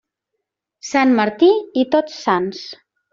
Sant Martí i Tots Sants.